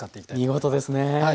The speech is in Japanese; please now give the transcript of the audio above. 見事ですね。